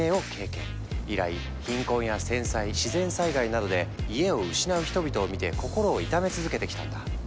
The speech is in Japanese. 以来貧困や戦災自然災害などで家を失う人々を見て心を痛め続けてきたんだ。